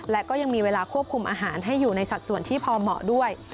และก็ยังมีเวลาควบคุมอาหารให้อยู่ในสัดส่วนที่พอเหมาะด้วย